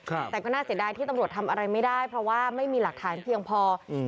ครับแต่ก็น่าเสียดายที่ตำรวจทำอะไรไม่ได้เพราะว่าไม่มีหลักฐานเพียงพออืม